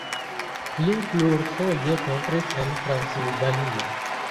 Li plurfoje pentris en Transilvanio.